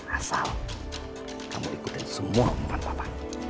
asal kamu ikutin semua umpan papa